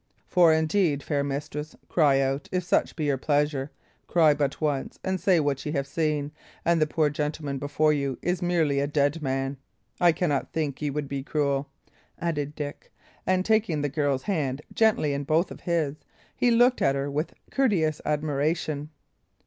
For, indeed, fair mistress, cry out if such be your pleasure cry but once, and say what ye have seen, and the poor gentleman before you is merely a dead man. I cannot think ye would be cruel," added Dick; and taking the girl's hand gently in both of his, he looked at her with courteous admiration.